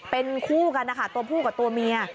เป็นคู่กันนะคะตัวผู้กับตัวเมีย